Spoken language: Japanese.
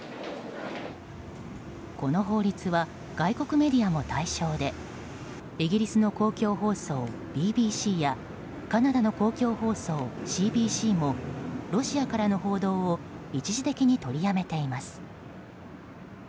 この法律は外国メディアも対象でイギリスの公共放送ＢＢＣやカナダの公共放送ＣＢＣもロシアからの報道を一時的に取りやめています。